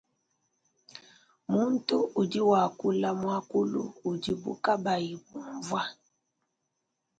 Muntu udi wakuala muakulu udibu kabayi bunvua.